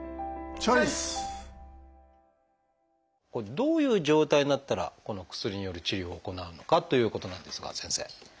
どういう状態になったらこの薬による治療を行うのかということなんですが先生。